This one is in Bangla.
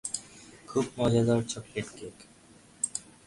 খুবই মজাদার চকলেট কেক।